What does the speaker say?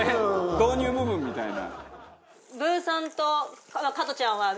導入部分みたいな。